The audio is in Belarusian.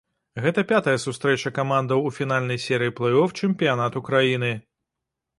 Гэтая пятая сустрэча камандаў у фінальнай серыі плэй-оф чэмпіянату краіны.